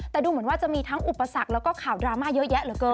แต่ดูเหมือนว่าจะมีทั้งอุปสรรคแล้วก็ข่าวดราม่าเยอะแยะเหลือเกิน